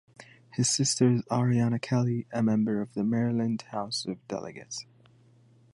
His sister is Ariana Kelly, a member of the Maryland House of Delegates.